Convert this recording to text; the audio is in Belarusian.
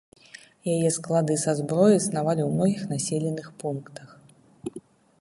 Яе склады са зброяй існавалі ў многіх населеных пунктах.